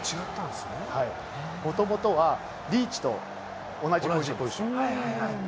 もともとはリーチと同じポジション。